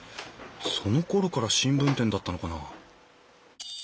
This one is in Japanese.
そのころから新聞店だったのかな？